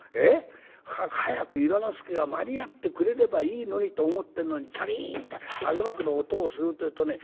『早く早く由良之助が間に合ってくれればいいのに』と思ってんのにチャリンって揚幕の音をするってえとね